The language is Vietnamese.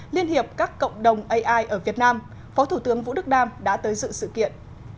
liên hiệp các cộng đồng ai ở việt nam phó thủ tướng vũ đức đam đã tới dự sự kiện